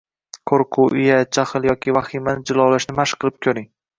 Qo’rquv, uyat, jahl yoki vahimani jilovlashni mashq qilib ko’ring